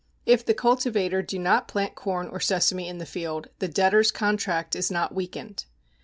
If the cultivator do not plant corn or sesame in the field, the debtor's contract is not weakened.